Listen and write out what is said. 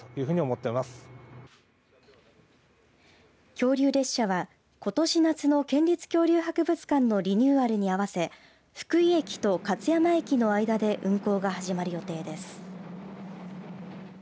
恐竜列車はことし夏の県立恐竜博物館のリニューアルに合わせ福井駅と勝山駅の間で運行が始まる予定です。